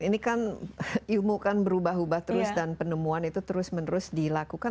ini kan ilmu kan berubah ubah terus dan penemuan itu terus menerus dilakukan